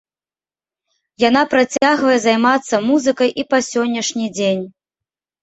Яна працягвае займацца музыкай і па сённяшні дзень.